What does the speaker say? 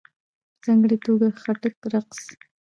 په ځانګړې توګه ..خټک رقص..